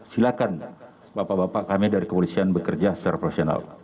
silakan bapak bapak kami dari kepolisian bekerja secara profesional